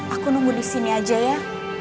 aku nunggu disini aja ya